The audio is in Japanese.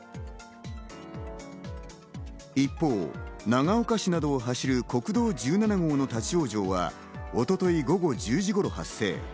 一方、長岡市などを走る国道１７号の立ち往生は一昨日午後１０時頃に発生。